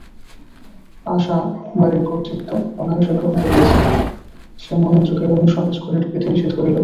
আশা বাড়ির কর্তৃত্ব অনায়াসে গ্রহণ করিয়াছে–সে মহেন্দ্রকে কেমন সহজে ঘরে ঢুকিতে নিষেধ করিল।